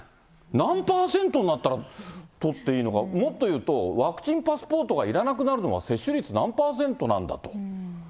何％になったら取っていいのか、もっと言うと、ワクチンパスポートがいらなくなるのは接種率何％なんだと。